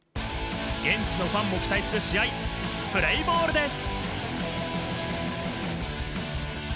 現地のファンも期待する試合、プレーボールです！